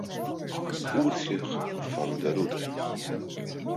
Oersjoch fan 'e rûte.